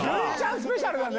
スペシャルだね。